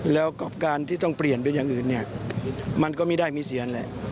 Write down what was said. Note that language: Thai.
แล้วก็การที่ต้องเปลี่ยนเป็นอย่างอื่นเนี่ยมันก็ไม่ได้มีเสียนแหละ